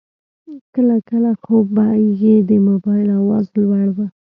کله کله خو به یې د موبایل آواز لوړ و.